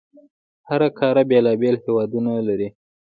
هره قاره بېلابېل هیوادونه لري.